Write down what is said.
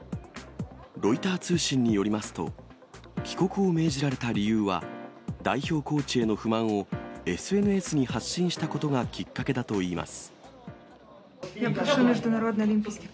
ロイター通信によりますと、帰国を命じられた理由は、代表コーチへの不満をＳＮＳに発信したことがきっかけだといいます。